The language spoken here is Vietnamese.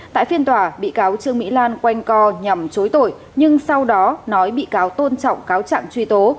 tại phiên tòa bị cáo trương mỹ lan quanh co nhằm chối tội nhưng sau đó nói bị cáo tôn trọng cáo trạng truy tố